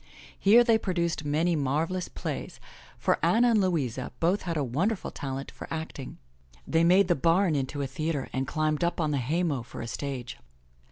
Here they produced many marvelous plays, for Anna and Louisa both had a wonderful talent for acting. They made the bam into a theatre and climbed up on the haymow for a stage.